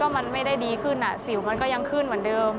มันไม่ได้ดีขึ้นสิวมันก็ยังขึ้นเหมือนเดิม